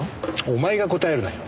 お前が答えるなよ！